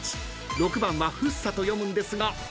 ［６番は「ふっさ」と読むんですが５番は？］